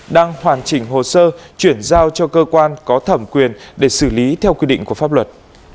đang hoàn chỉnh hồ sơ chuyển giao cho cơ quan có thẩm quyền để xử lý theo quy định của pháp luật